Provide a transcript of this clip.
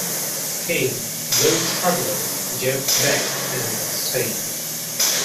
King, Blues Traveler, Jeff Beck and Sting.